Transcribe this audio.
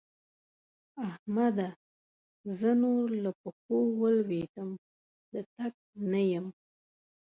احمده! زه نور له پښو ولوېدم - د تګ نه یم.